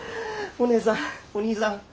お姉さんお兄さん